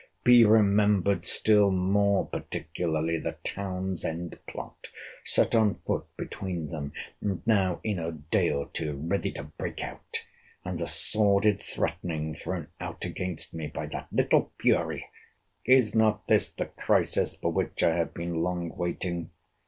Be remembered still more particularly the Townsend plot, set on foot between them, and now, in a day or two, ready to break out; and the sordid threatening thrown out against me by that little fury! Is not this the crisis for which I have been long waiting?